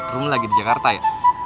room lagi di jakarta ya